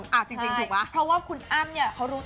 เพราะว่าคุณอ้ำเนี่ยเขารู้ตัวอยู่แล้ว